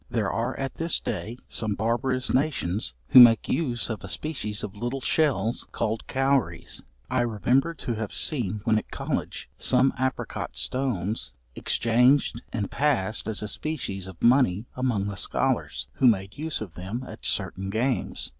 There are at this day, some barbarous nations, who make use of a species of little shells, called cowries. I remember to have seen when at college, some apricot stones exchanged and passed as a species of money among the scholars, who made use of them at certain games.